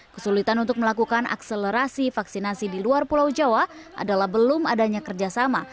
kesulitan untuk melakukan akselerasi vaksinasi di luar pulau jawa adalah belum adanya kerjasama